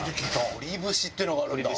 鶏節っていうのがあるんだ。